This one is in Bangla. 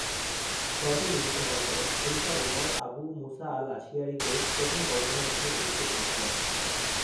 শহরটি নির্মিত হওয়ার পরে, খলিফা উমর আবু মুসা আল-আশিয়ারিকে প্রথম গভর্নর হিসাবে নিযুক্ত করেছিলেন।